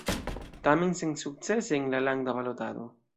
Tamen sensukcese en la landa balotado.